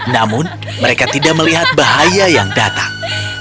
namun mereka tidak melihat bahaya yang datang